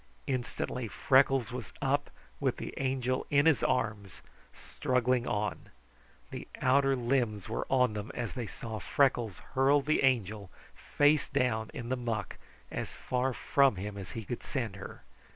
Instantly Freckles was up, with the Angel in his arms, struggling on. The outer limbs were on them when they saw Freckles hurl the Angel, face down, in the muck, as far from him as he could send her.